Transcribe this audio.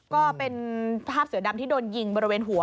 ก็เป็นภาพเสือดำที่โดนยิงบริเวณหัว